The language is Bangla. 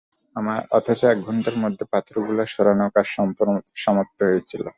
অথচ এক ঘন্টার মধ্যে পাথরগুলো সরানোর কাজ সমাপ্ত হয়েছিল।